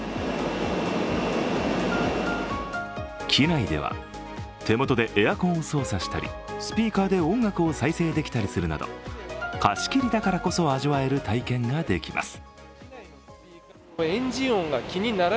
機内では、手元でエアコンを操作したり、スピーカーで音楽を再生できたりするなど貸し切りだからこそ味わえる体験ができます。